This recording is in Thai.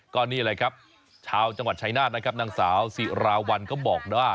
ก็นี่แหละครับชาวจังหวัดชายนาฏนะครับนางสาวสิราวัลก็บอกว่า